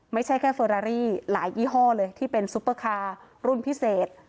ไม่ใช่แค่เฟอรารี่หลายยี่ห้อเลยที่เป็นซุปเปอร์คาร์รุ่นพิเศษ